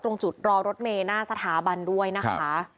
ตรงจุดรอรถเมย์หน้าสถาบันด้วยนะคะ